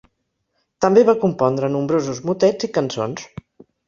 També va compondre nombrosos motets i cançons.